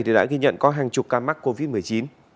thì đã ghi nhận có hàng chục ca mắc covid một mươi chín